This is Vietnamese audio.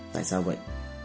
tại sao vậy